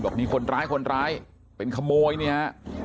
บอกนี่คนร้ายคนร้ายเป็นขโมยเนี่ย